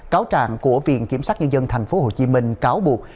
cáo trạng của viện kiểm soát nhân dân thành phố hồ chí minh cáo buộc